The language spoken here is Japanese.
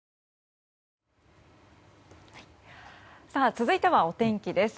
続いてはお天気です。